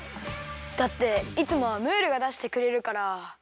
だっていつもはムールがだしてくれるから。